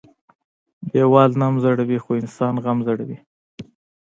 ـ ديوال نم زړوى خو انسان غم زړوى.